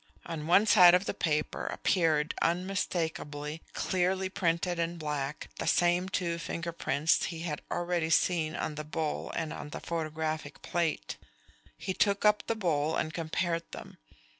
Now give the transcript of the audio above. On one side of the paper appeared unmistakably, clearly printed in black, the same two finger prints that he had already seen on the bowl and on the photographic plate. He took up the bowl and compared them.